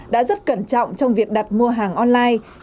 đã rất cẩn trọng trong việc đặt mua hàng online